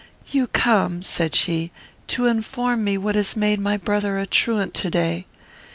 "You come," said she, "to inform me what has made my brother a truant to day.